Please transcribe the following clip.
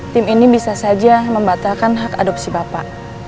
tim ini bisa saja membatalkan hak adopsi bapak